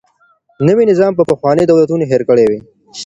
نوی نظام به پخواني دولتونه هیر کړي وي.